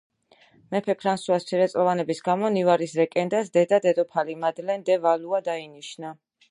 მეფე ფრანსუას მცირეწლოვანების გამო, ნავარის რეგენტად დედა-დედოფალი მადლენ დე ვალუა დაინიშნა.